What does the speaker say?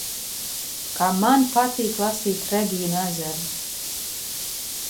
Kā man patīk lasīt Regīnu Ezeru!